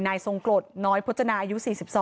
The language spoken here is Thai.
นายทรงกรดน้อยพจนายุ๔๒